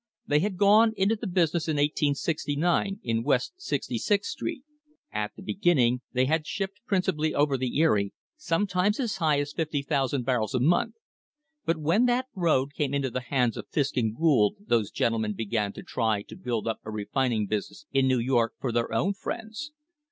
They had gone into the business in 1869 in West Sixty sixth street. At the beginning they had shipped principally over the Erie, sometimes as high as 50,000 barrels a month ; but when that road came into the hands of Fisk and Gould those gentlemen began to try to build up a refining business in New York for their own friends.